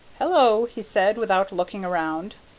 "Hello," he said without looking around.